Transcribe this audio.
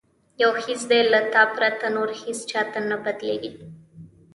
یو حس دی له تا پرته، نور هیڅ چاته نه بدلیږي